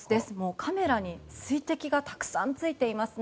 カメラに水滴がたくさんついていますね。